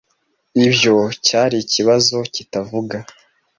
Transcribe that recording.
Ibyo cyari ikibazo kitavuga.